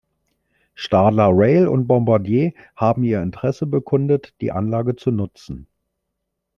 Stadler Rail und Bombardier haben ihr Interesse bekundet, die Anlage zu nutzen.